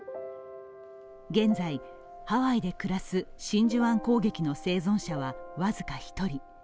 現在ハワイで暮らす真珠湾攻撃の生存者は僅か１人。